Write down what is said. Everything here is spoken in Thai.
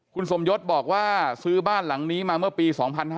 คุณสมยศบอกว่าซื้อบ้านหลังนี้มาเมื่อปี๒๕๕๙